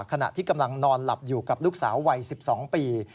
ขณะที่กำลังนอนหลับอยู่กับลูกสาววัย๑๒ปี